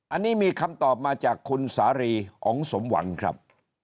อันนี้มีคำตอบมาจากคุณสารีอ๋องสมหวังครับ